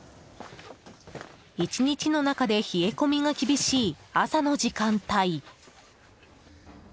１日の中で冷え込みが厳しい朝の時間帯。